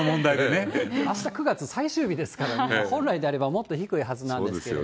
あした９月最終日ですからね、本来であれば、もっと低いはずなんですけれども。